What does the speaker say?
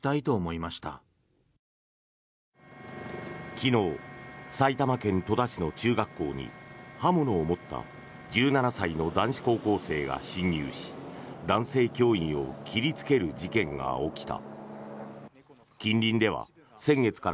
昨日、埼玉県戸田市の中学校に刃物を持った１７歳の男子高校生が侵入し男性教員を切りつける事件が起きた。